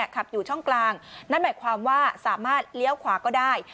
ขับอยู่ช่องกลางนั่นหมายความว่าสามารถเลี้ยวขวาก็ได้